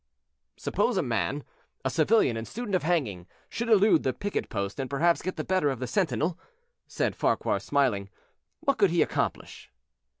"Suppose a man a civilian and student of hanging should elude the picket post and perhaps get the better of the sentinel," said Farquhar, smiling, "what could he accomplish?"